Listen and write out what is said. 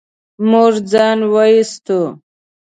موږ ځان و ايستو.